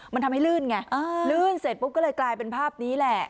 มันทำให้ลื่นไงลื่นเสร็จปุ๊บก็เลยกลายเป็นภาพนี้แหละ